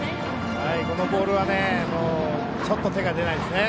今のボールはちょっと手が出ないですね。